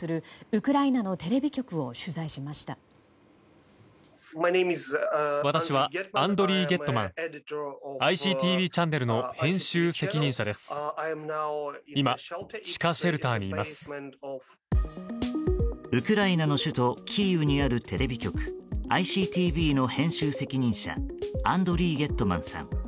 ウクライナの首都キーウにあるテレビ局ＩＣＴＶの編集責任者アンドリー・ゲットマンさん。